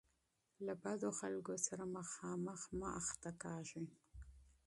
د منفي خلکو سره مستقیم ښکېلتیا مه کوئ.